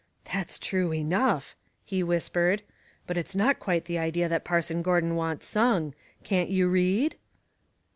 " That's true enough," he whispered. " But it's not quite the idea that Parso'n Gordon wants sung. Can't you read